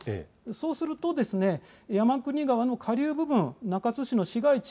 そうすると、山国川の下流部分中津市の市街地